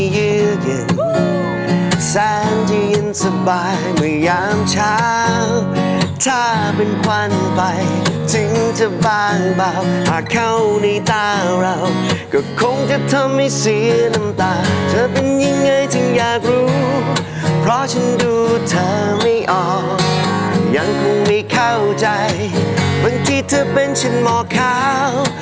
ยังคงไม่เข้าใจบางทีเธอเป็นชิ้นหมอขาว